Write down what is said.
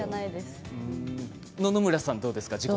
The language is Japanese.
野々村さんはどうですか？